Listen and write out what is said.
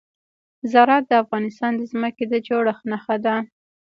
زراعت د افغانستان د ځمکې د جوړښت نښه ده.